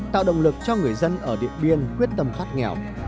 tạo động lực cho người dân ở điện biên quyết tâm thoát nghèo